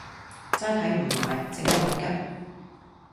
齋睇唔買，正一運吉